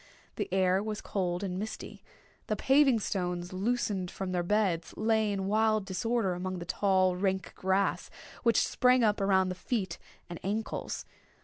The air was cold and misty. The paving stones, loosened from their beds, lay in wild disorder amid the tall, rank grass, which sprang up around the feet and ankles.